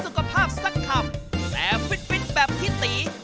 น้องวิทย์ได้กี่ที